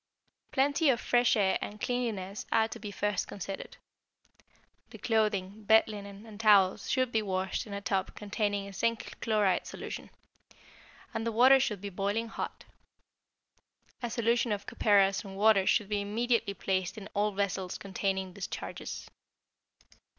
= Plenty of fresh air and cleanliness are to be first considered. The clothing, bed linen, and towels should be washed in a tub containing a zinc chloride solution, and the water should be boiling hot. A solution of copperas and water should be immediately placed in all vessels containing discharges.